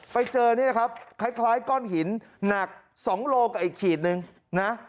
ไปเจอนี่นะครับคล้ายก้อนหินหนัก๒โลกับอีกขีดนึงนะ